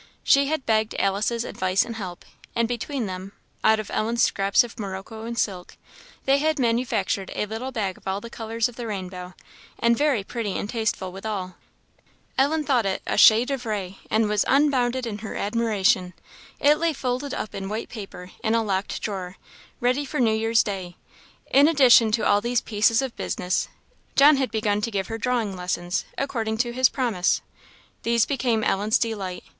She had begged Alice's advice and help; and between them, out of Ellen's scraps of morocco and silk, they had manufactured a little bag of all the colours of the rainbow, and very pretty and tasteful withal. Ellen thought it a chef d'oeuvre, and was unbounded in her admiration. It lay folded up in white paper in a locked drawer, ready for New Year's day. In addition to all these pieces of business, John had begun to give her drawing lessons, according to his promise. These became Ellen's delight.